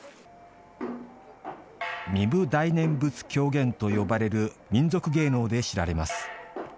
壬生大念佛狂言と呼ばれる民俗芸能で知られます。